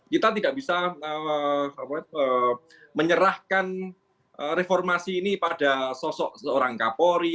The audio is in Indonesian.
kita tidak bisa menyerahkan reformasi ini pada sosok seorang kapolri